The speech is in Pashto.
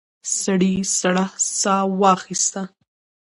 سړي سړه ساه واخیسته.